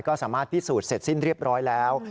ก็สามารถพิสูจน์เสร็จสิ้นเรียบร้อยแล้ว